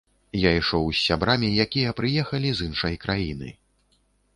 Я ішоў з сябрамі, якія прыехалі з іншай краіны.